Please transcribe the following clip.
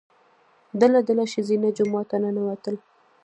ډله ډله ښځینه جومات ته ننوتل.